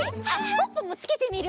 ポッポもつけてみる？